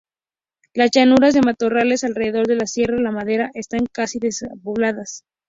Las llanuras de matorrales alrededor del Sierra La Madera están casi despobladas.